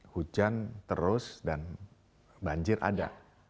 hujan terus dan banjir ada